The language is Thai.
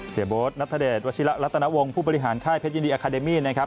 โบ๊ทนัทเดชวัชิระรัตนวงศ์ผู้บริหารค่ายเพชรยินดีอาคาเดมี่นะครับ